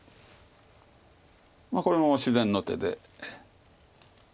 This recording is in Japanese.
これも自然の手で。